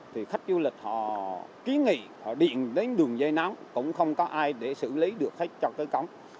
thì khách du lịch họ ký nghị họ điện đến đường dây nóng cũng không có ai để xử lý được hết cho tới cống